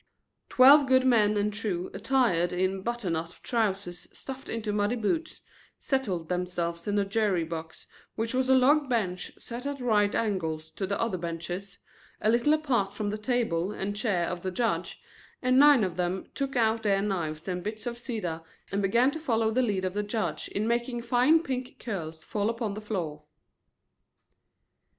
Twelve good men and true, attired in butternut trousers stuffed into muddy boots, settled themselves in the jury box, which was a log bench set at right angles to the other benches, a little apart from the table and chair of the judge, and nine of them took out their knives and bits of cedar and began to follow the lead of the judge in making fine pink curls fall upon the floor.